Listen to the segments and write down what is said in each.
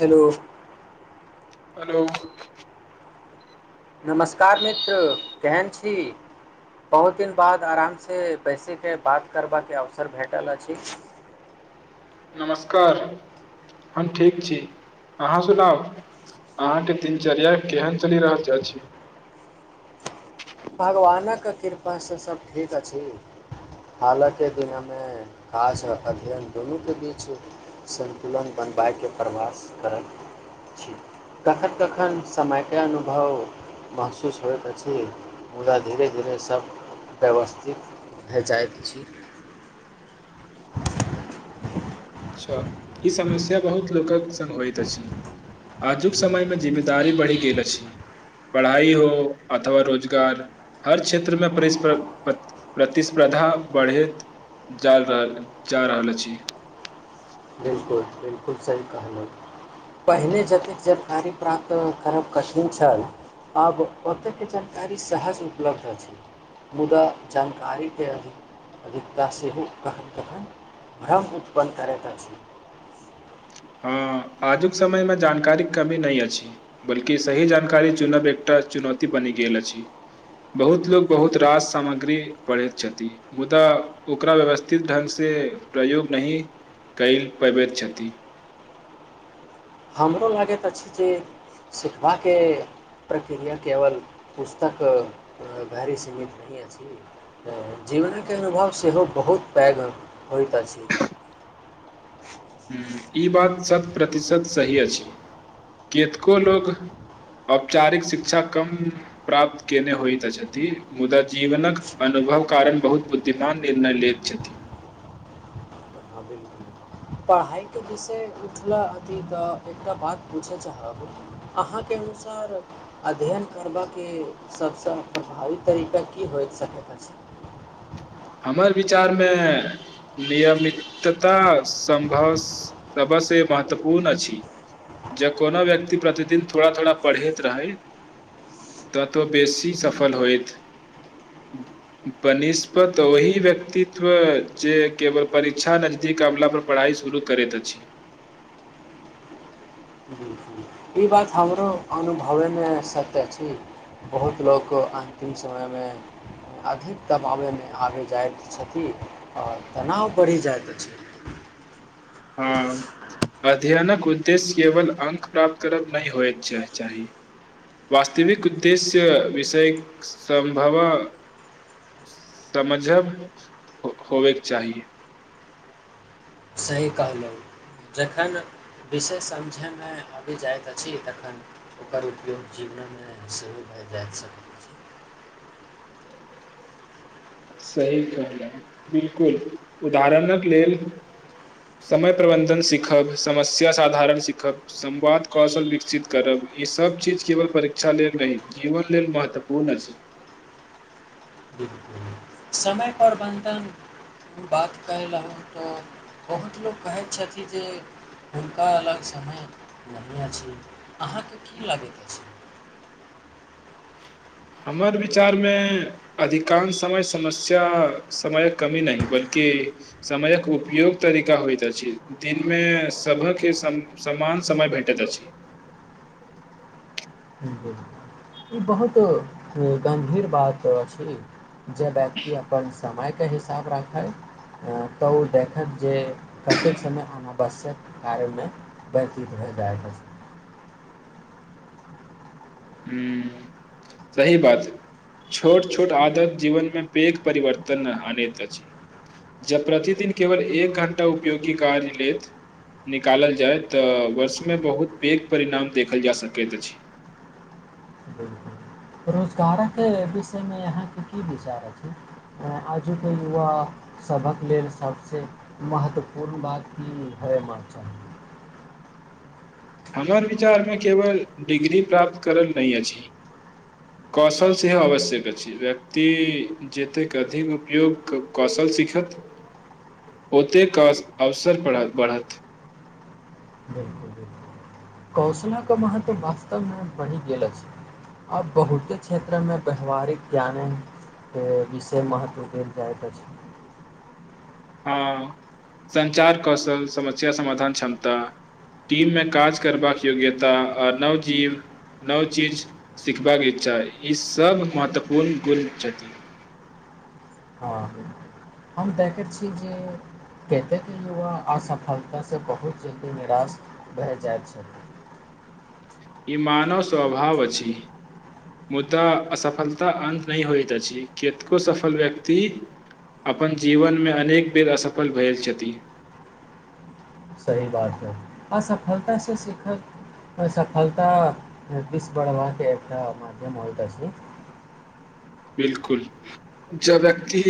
Hello hello नमस्कार मित्र केहन छी बहुत दिन बाद आरामसँ बैसयके बात करबाक अवसर भेटल अछि नमस्कार हम ठीक छी अहाँ सुनाउ अहाँके दिनचर्या केहन चलि रहल अछि भगवानक कृपासँ सभ ठीक अछि हालके दिनमे काज आ अध्ययन दुनूके बीच सन्तुलन बनबइके प्रवास करैत छी कखन कखन समयके अनुभव महसूस होइत अछि मुदा धीरे धीरे सभ व्यवस्थित भए जाइत अछि अच्छा ई समस्या बहुत लोकक सङ्ग होइत अछि आजुक समयमे जिम्मेदारी बढ़ि गेल अछि पढ़ाइ हो अथवा रोजगार हर क्षेत्रमे परिस्प प्र प्रतिस्पर्धा बढ़ैत जा रहल जा रहल अछि बिलकुल बिलकुल सही कहलहुँ पहिने जतेक जानकारी प्राप्त करब कठिन छल आब ओतेक जानकारी सहज उपलब्ध अछि मुदा जानकारीके अधिकता सेहो कखन कखन भ्रम उत्पन्न करैत अछि हँ आजुक समयमे जानकारीके कमी नहि अछि बल्कि सही जानकारी चुनब एकटा चुनौती बनि गेल अछि बहुत लोक बहुत रास सामग्री पढ़ैत छथि मुदा ओकरा व्यवस्थित ढङ्गसँ प्रयोग नहि क पबैत छथि हमरो लागैत अछि जे सिखबाक प्रक्रिया केवल पुस्तक गैरी सीमित नहि अछि जीवनके अनुभव सेहो बहुत पैघ होइत अछि हुँ ई बात शत प्रतिशत सही अछि कतको लोको औपचारिक शिक्षा कम प्राप्त कने होइत छथि मुदा जीवनक अनुभव कारण बहुत बुद्धिमान निर्णय लैत छथिन हँ बिलकुल पढ़ाइके विषय उठला अथी तऽ एकटा बात पूछय चाहब अहाँके अनुसार अध्ययन करबाकके सभसँ प्रभावी तरीका की होय सकैत अछि हमरा विचारमे नियमितता सम्भव सभसँ महत्वपूर्ण अछि जँ कोनो व्यक्ति प्रतिदिन थोड़ा थोड़ा पढ़ैत रहथि तऽ तऽ बेसी सफल होथि बनि तऽ ओहिी व्यक्तित्व जे केवल परीक्षा नजदीक अला पर पढ़ाइ शुरू करैत अछि बिलकुल ई बात हमरो अनुभवयमे सत्य अछि बहुत लोक अन्तिम समयमे अधिक दबाबयमे आबि जाइत छथि आओर तनाव बढ़ि जाइत अछि हँ अध्ययनक उद्देश्य केवल अंक प्राप्त करब नहि होए चाही वास्तविक उद्देश्य विषय सम्भव समझव हो होवएके चाही सही कहलहुँ जखन विषय समझयमे आबि जाइत अछि तखन ओकर उपयोग जीवनमे सेहो भए जा सकै छी सही कहलहुँ बिलकुल उदाहरणक लेल समय प्रबन्धन सीखब समस्या साधारण सीखब संवाद कौशल विकसित करब ईसभ चीज केवल परीक्षा लेल नहि जीवन लेल महत्वपूर्ण अछि बिलकुल समय प्रबन्धन बात कयलहुँ तऽ बहुत लोक कहैत छथिन जे हुनका अलग समय नहिए अछि अहाँके की लागैत अछि हमर विचारमे अधिकांश समय समस्या समयक कमी नहि बल्कि समयक उपयोग तरीका होइत अछि दिनमे सभकके सम समान समय भेटैत अछि ई बहुत गम्भीर बात अछि जे व्यक्ति अपन समय के हिसाब राखै तऽ ओ देखत जे कतेक समय अनावश्यक कार्यमे व्यतीत भए जाइत ह हम्म, सही बात छोट छोट आदत जीवनमे पैघ परिवर्तन आनैत अछि जब प्रतिदिन केवल एक घं्टा उपयोगी कार्य ले निकालल जाय तऽ वर्षमे बहुत पैघ परिणाम देखल जा सकैत अछि रोजगारके विषयमे यहाँके की विचार अछि आजुक युवा सभक लेल सबसँ महत्वपूर्ण बात की होइ हम चाही हमर विचारमे केवल डिग्री प्राप्त करल नहि अछि कौशल सेहो आवश्यक अछि व्यक्ति जतेक अधिक उपयोग कौशल सीखत ओतेक क अवसर बढ़त बिलकुल बिलकुल कौशलाके महत्व वास्तवमे बनि गेल अछि आब बहुते क्षेत्रमे व्यावहारिक ज्ञानेके विषय महत्व देल जाइत अछि हँ संचार कौशल समस्या समाधान क्षमता टीममे काज करबाक योग्यता आ नव जीव नव चीज सिखबाक इच्छा ई सब महत्वपूर्ण गुण छथि हँ हम देखैत छी जे कतेकके युवा असफलतासँ बहुत जल्दी निराश भए जाइत छलै ई मानव स्वभाव अछि मुदा असफलता अन्त नहि होइत अछि कतको सफल व्यक्ति अपन जीवनमे अनेक बेर असफल भेल छथि सही बात हइ असफलतासँ सीखत सफलता दस बढ़बाक एकटा माध्यम होइतइत अछि अछि बिलकुल जब व्यक्ति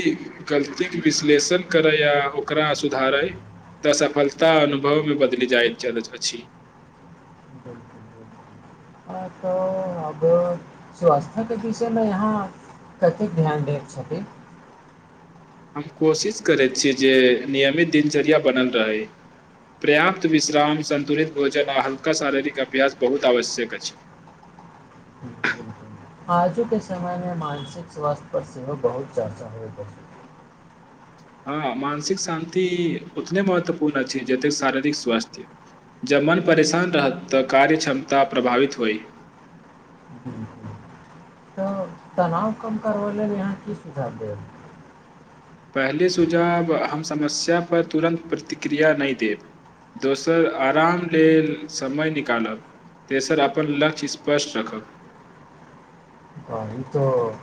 गलतीके विश्लेषण करय आ ओकरा सुधारय तऽ सफलता अनुभवमे बदलि जाइत अछि बिलकुल बिलकुल तऽ अब स्वास्थ्यके विषयमे यहाँ कतेक ध्यान दैके छथि हम कोशिश करैत छी जे नियमित दिनचर्या बनल रहै पर्याप्त विश्राम संन्तुलित भोजन आ हल्का शारीरिक अभ्यास बहुत आवश्यक अछि आजु के समय मे मानसिक स्वास्थ्य पर सेहो बहुत चर्चा होइत अछि हँ मानसिक शान्ति उतने महत्वपूर्ण अछि जतेक शारीरिक स्वास्थ्य जब मन परेशान रहत तऽ कार्य क्षमता प्रभावित होइ बिल्कुल। तऽ तनाव कम करबै लेल अहाँ की सुझाव देब पहिले सुझाव हम समस्या पर तुरन्त प्रतिक्रिया नहि देब दोसर आराम लेल समय निकालब तेसर अपन लक्ष्य स्पष्ट रखब तऽ ई तऽ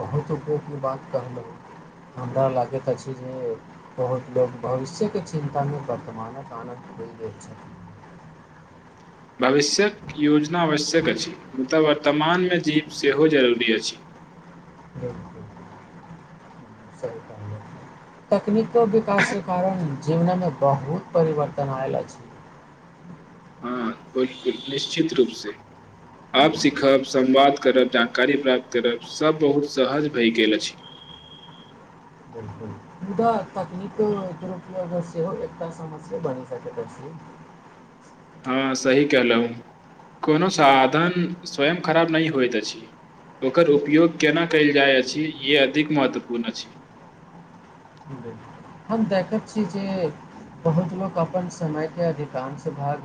बहुत उपयोगमे बात कहलहुँ हमरा लागैत अछि जे बहुत लोक भविष्यके चिन्तामे वर्तमानक आनन्द बिल दै छथि भविष्यक योजना आवश्यक अछि मुदा वर्तमानमे जीव सेहो जरूरी अछि बिलकुल तकनीको विकासके कारण जीवनमे बहुत परिवर्तन आयल अछि हँ बिलकुल निश्चित रूपसँ आब सिखब संवाद करब जानकारी प्राप्त करब सभ बहुत सहज भए गेल अछि बिल्कुल मुदा तकनीक दुरुपयोग सेहो एकटा समस्या बनि सकैत अछि ह सही कहलहु कोनो साधन स्वयं खराब नहि होइत अछि ओकर उपयोग केना कयल जाइत अछि य अधिक महत्वपूर्ण अछि बिल्कुल हम देखैत छी जे बहुत लोक अपन समयके अधिकांश भाग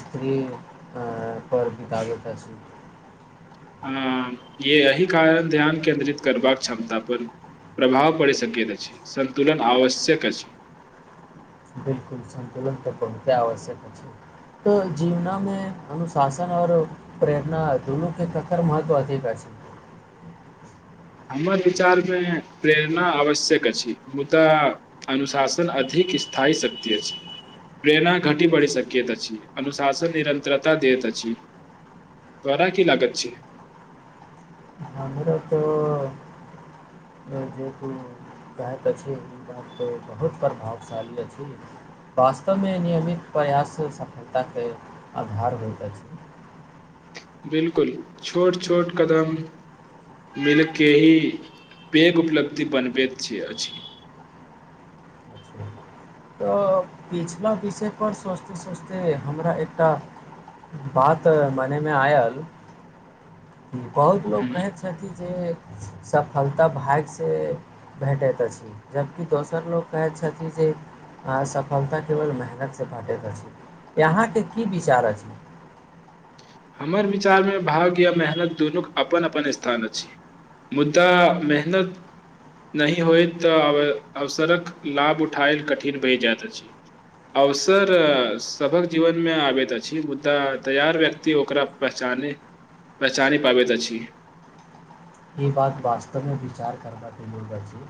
स्त्री परर बितबैत अछि आ य एहिह कारण ध्यान केन्द्रित करबाक क्षमता पर प्रभाव पड़ सकैत अछि सन्तुलन आवश्यक अछि बिलकुल संन्तुलन तऽ पूणते आवश्यक अछि तऽ जीवनामे अनुशासन और प्रेरणा दुनू के ककरकर महत्व अधिक अछि हमर विचारमे प्रेरणा आवश्यक अछि मुदा अनुशासन अधिक स्थायी शक्ति अछि प्रेरणा घटि बढ़ि सकैत अछि अनुशासन निरन्तरता दैत अछि तोराा की लागत छै हमरा तऽ जे तू बहुत प्रभावशाली अछि वास्तवमे नियमित प्रयास सफलताके आधार होइत अछि बिलकुल छोट छोट कदम मिलके ही पैघ उपलब्धि बनबैत छै अछि पिछिला विषयपर सोचिते सोचिते हमरा एकटा बात मनेमे आयल बहुत लोकोग हम्म, कहै छथिन जे सफलता भाग्यसँ भेटैत अछि जबकि दोसर लोक कहैत छथि जे सफलता केवल मेहनतसँ भेटैत अछि यहाँके की विचार अछि हमर विचारमे भाग्य या मेहनत दुनूक अपन अपन स्थान अछि मुद्दा मेहनत नहि होइत तऽ अवसरक लाभ उठायल कठिन बहि जाइत अछि अवसर सभक जीवनमे आबैत अछि मुद्दा तैयार व्यक्ति ओकरा पहचाने पहचानी पाबैत अछि ई बात वास्तवमे विचार करबाकके लेलग अछि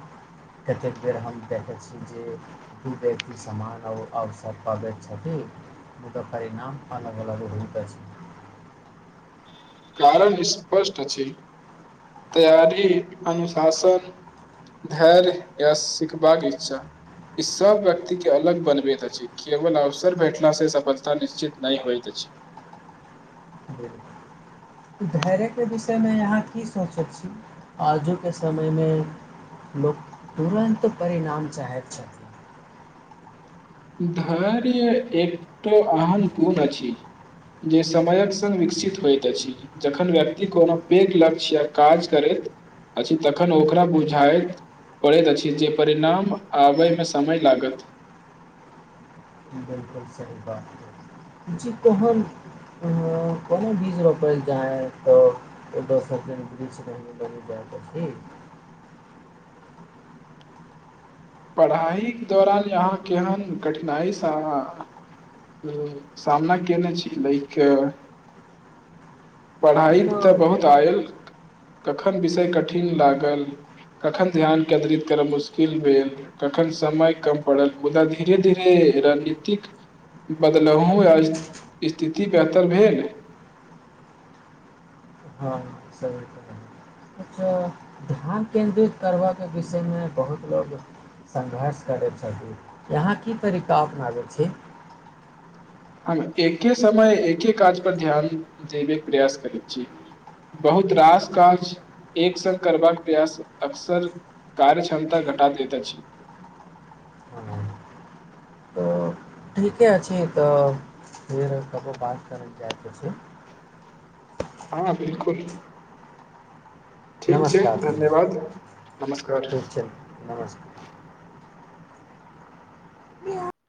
कतेक बेर हम देखैत छी जे दू व्यक्ति समान आओर अवसर पाबैत छथिन मुदादा परिणाम अलग अलग होइत अछि कारण स्पष्ट अछि तैयारी अनुशासन धैर्य य सिखबाक इच्छा ई सब व्यक्ति के अलग बनबैत अछि केवल अवसर भेटला से सफलता निश्चित नहि होइत अछि बिल्कुल। धैर्यके विषयमे अहाँ की सोचैत छी आजुके समयमे लोक तुरन्त परिणाम चाहैत छथिन धैर्य एकटाो अहम कोण अछि जे समयक सङ्ग विकसित होइत अछि जखन व्यक्ति कोनो पैघ लक्ष्य या काज करैत अछि तखन ओकरा बुझाइत पड़ैत अछि जे परिणाम आबयमे समय लागत कहन कोनो बीज रोपैल जाय तऽ ओ द सेड ब ल जायके छै पढ़ाइ के दौरान यहाँ केहन कठिनाइसँ सामना केने छी लाक पढ़ाइ तऽ बहुत आयल कखन विषय कठिन लागल कखन ध्यान केन्द्रित करय मुश्किल भेल कखन समय कम पड़ल मुदा धीरे धीरे रणनीतिक बदलाहो आ स्थिति बेहतर भेल हँ सही कहलियै अच्छा ध्यान केन्द्रित करबऽके विषयमे बहुत लोको संघर्ष करै छथिन यहाँ की तरीका अपनाबै छी हम एके समय एके काज पर ध्यान देबेके प्रयास करैत छी बहुत रास काज एक सङग करबाक प्रयास अक्सर कार्य क्षमता घटा देैत अछि हाँ, ठीके छै तऽ फेर कबो बात करैल जायके छै हँ बिलकुल ठीक छै नमस्कार नमस्कार धन्यवाद नमस्कार ठीक छै नमस्कार